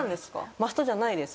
マストじゃないです